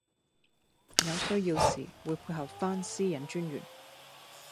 有需要時會配合番私隱專員